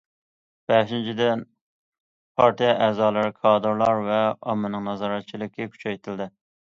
بەشىنچىدىن، پارتىيە ئەزالىرى، كادىرلار ۋە ئاممىنىڭ نازارەتچىلىكى كۈچەيتىلدى.